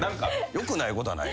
よくないことはない。